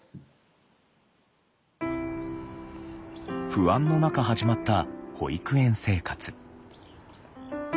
不安の中始まった保育園生活。